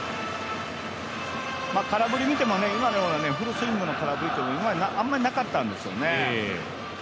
空振り見ても、今のようなフルスイングの空振りってあんまりなかったんですよね。